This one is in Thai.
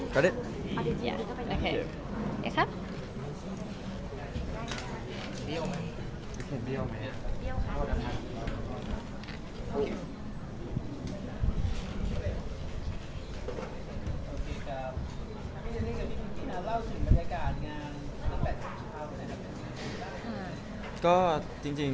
สวัสดีครับ